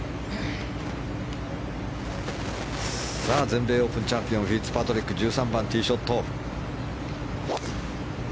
全米オープンチャンピオンフィッツパトリックの１３番、ティーショット。